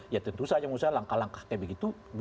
ya tentu saja musnah langkah langkah kayak begitu